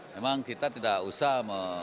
memang kita tidak usah